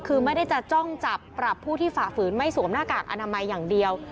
คือไม่ได้จะจ้องจับปรับผู้ที่ฝ่าฝืนไม่สวมหน้ากากอนามัยอย่างเดียว